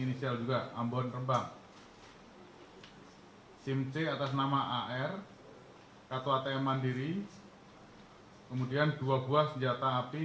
dan satu orang lagi m di sikarang bekasi